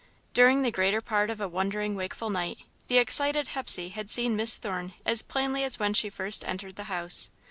During the greater part of a wondering, wakeful night, the excited Hepsey had seen Miss Thorne as plainly as when she first entered the house.